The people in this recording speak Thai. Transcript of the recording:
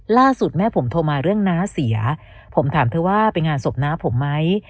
ล่าสุดแม่ผมโทรมาเรื่องน้าเสียผมถามเธอว่าไปงานศพน้าผมไหม